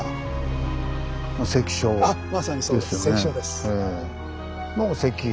あっまさにそうです。